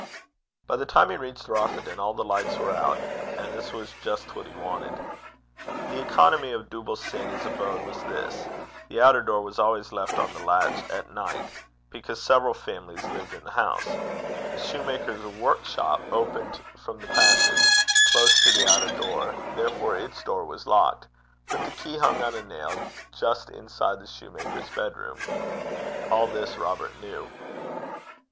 By the time he reached Rothieden all the lights were out, and this was just what he wanted. The economy of Dooble Sanny's abode was this: the outer door was always left on the latch at night, because several families lived in the house; the soutar's workshop opened from the passage, close to the outer door, therefore its door was locked; but the key hung on a nail just inside the soutar's bedroom. All this Robert knew.